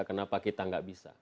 kenapa kita enggak bisa